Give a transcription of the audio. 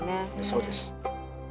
そうです。